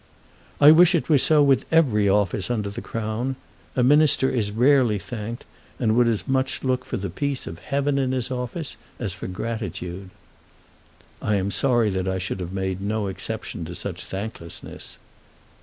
"I wish it were so with every office under the Crown. A Minister is rarely thanked, and would as much look for the peace of heaven in his office as for gratitude." "I am sorry that I should have made no exception to such thanklessness."